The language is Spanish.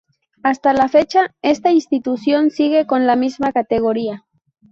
Hasta la fecha esta Institución sigue con la misma Categoría.